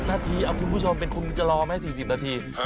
๔๐นาทีอ่ะคุณผู้ชมเป็นคนกรรมัย๔๐นาที